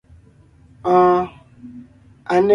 Oon, a ne ńgèè sekú.